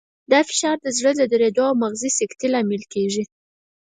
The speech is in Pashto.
دا فشار د زړه د دریدو او مغزي سکتې لامل کېږي.